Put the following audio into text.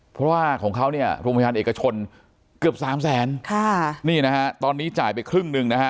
เพราะว่าของเขาเนี่ยโรงพยาบาลเอกชนเกือบสามแสนค่ะนี่นะฮะตอนนี้จ่ายไปครึ่งหนึ่งนะฮะ